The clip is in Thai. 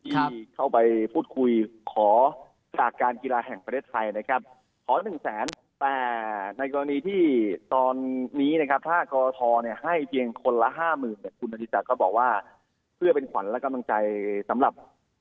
ที่เข้าไปพูดคุยขอการกีฬาแห่งประเทศไทยนะครับ